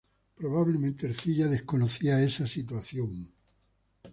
Probablemente Ercilla desconocía esta situación.